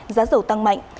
giá dầu tăng mạnh